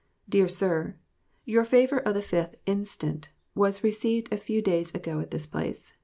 DEAR SIR: Your favor of the 5th inst. was received a few days ago at this place.